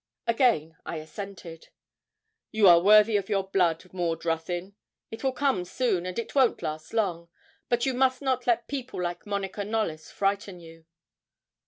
Again I assented. 'You are worthy of your blood, Maud Ruthyn. It will come soon, and it won't last long. But you must not let people like Monica Knollys frighten you.'